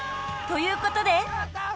［ということで］